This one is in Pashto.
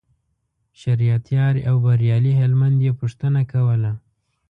شریعت یار او بریالي هلمند یې پوښتنه کوله.